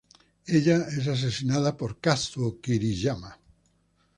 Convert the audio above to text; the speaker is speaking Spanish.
Ella es asesinada por Kazuo Kiriyama.